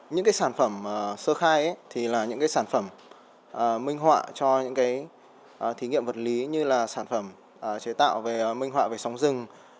những sản phẩm sơ khai thì là những sản phẩm minh họa cho những thí nghiệm vật lý như là sản phẩm chế tạo về minh họa về sóng rừng